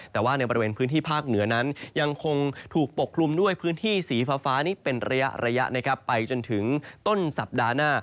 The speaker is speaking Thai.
แต่ว่าในบริเวณพื้นที่ภาคเหนือนั้นยังคงถูกปกคลุมด้วยพื้นที่สีฟ้านี้เป็นระยะนะครับไปจนถึงต้นสัปดาห์หน้า